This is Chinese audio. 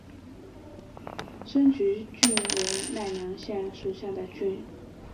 生驹郡为奈良县属下的郡。